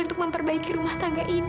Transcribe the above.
untuk memperbaiki rumah tangga ini